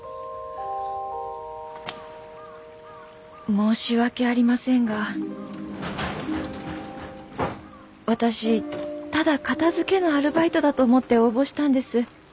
申し訳ありませんが私ただ片づけのアルバイトだと思って応募したんです。